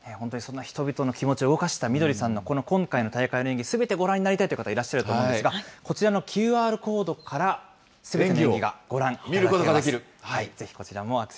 本当にそんな人々の気持ちを動かしたみどりさんのこの今回の大会の演技、すべてご覧になりたいという方、いらっしゃると思うんですが、こちらのＱＲコードからすべての演技を見ることができます。